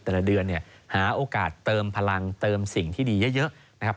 แต่ละเดือนเนี่ยหาโอกาสเติมพลังเติมสิ่งที่ดีเยอะนะครับ